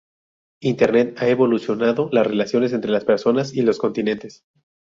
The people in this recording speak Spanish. Internet ha revolucionado las relaciones entre las personas y los continentes.